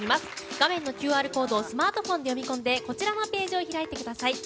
画面のＱＲコードをスマートフォンで読み込んでこちらのページを開いてください。